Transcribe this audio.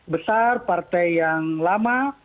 besar partai yang lama